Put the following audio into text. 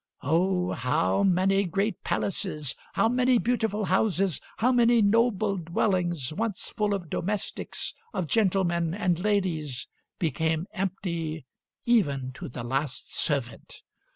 Oh! how many great palaces, how many beautiful houses, how many noble dwellings, once full of domestics, of gentlemen and ladies, became empty even to the last servant!